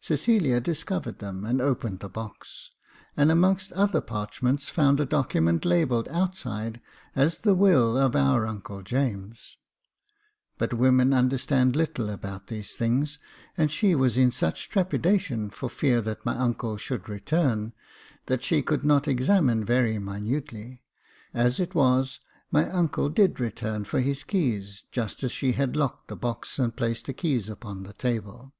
Cecilia discovered them, and opened the box , and amongst other parchments found a document labelled outside as the will of our uncle James ; but women understand little about these things, and she was in such trepidation for fear that my uncle should return, that she could not examine very 2^6 Jacob Faithful minutely. As it was, my uncle did return for his keys just as she had locked the box, and placed the keys upon the table.